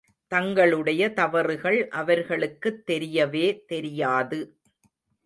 தங்களுடைய தவறுகள் அவர்களுக்குத் தெரியவே தெரியாது.